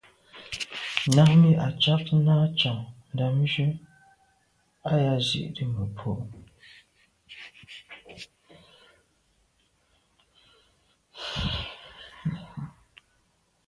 Námí à’cág ná cǎŋ ndǎmjú ā yā zí’də́ mə̀bró.